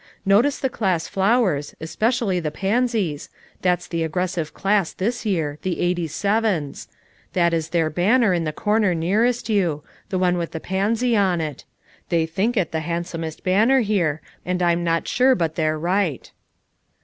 Notice the class flowers, especially the pansies, that's the aggressive class this year, the 'Eighty sevens ; that is their banner in the corner nearest you, the one with a pansy on it; they think it the handsomest banner here, and I'm not sure but they're right.